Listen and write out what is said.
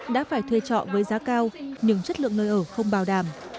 đã phải thuê trọ với giá cao nhưng chất lượng nơi ở không bảo đảm